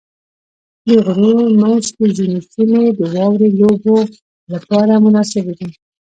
د غرونو منځ کې ځینې سیمې د واورې لوبو لپاره مناسبې دي.